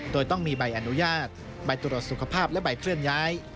โดยต้องมีใบอนุญาตใบตรวจสุขภาพและใบเคลื่อนย้าย